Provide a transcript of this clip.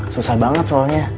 susah banget soalnya